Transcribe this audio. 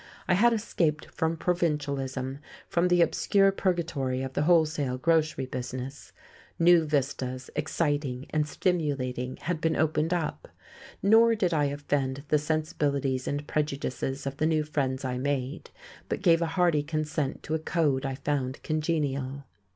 I had escaped from provincialism, from the obscure purgatory of the wholesale grocery business; new vistas, exciting and stimulating, had been opened up; nor did I offend the sensibilities and prejudices of the new friends I made, but gave a hearty consent to a code I found congenial.